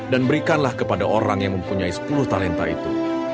dan berikanlah kepada orang yang mempunyai sepuluh talenta itu